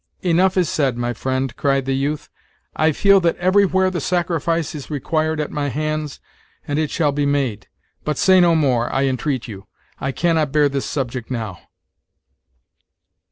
"Enough is said, my friend," cried the youth. "I feel that everywhere the sacrifice is required at my hands, and it shall be made; but say no more, I entreat you; I can not bear this subject now."